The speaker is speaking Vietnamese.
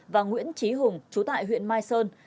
và nguyễn trí hùng chú tại huyện mai sơn